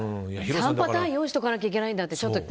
３パターン用意しとかなきゃいけないんだって。